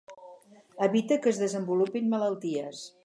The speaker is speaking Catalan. Evita que es desenvolupin malalties.